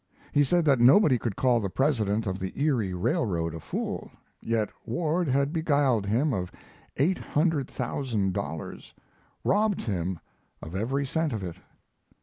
He said that nobody could call the president of the Erie Railroad a fool, yet Ward had beguiled him of eight hundred thousand dollars, robbed him of every cent of it.